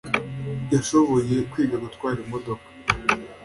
Yashoboye kwiga gutwara imodoka.